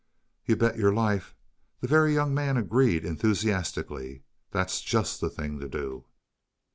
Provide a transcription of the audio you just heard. "You bet your life," the Very Young Man agreed, enthusiastically. "That's just the thing to do."